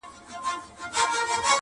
له ازله د خپل ځان په وینو رنګ یو!.